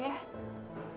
ya ya assalamualaikum